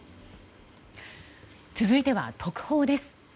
続いては、特報です。